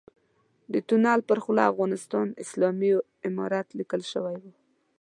د تونل پر خوله افغانستان اسلامي امارت ليکل شوی و.